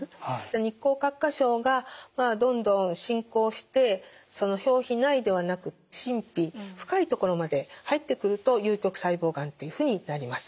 日光角化症がどんどん進行してその表皮内ではなく真皮深い所まで入ってくると有棘細胞がんっていうふうになります。